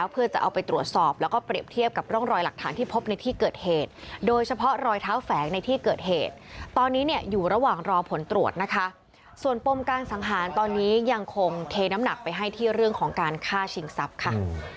ผมเทน้ำหนักไปให้ที่เรื่องของการฆ่าชิงทรัพย์ค่ะ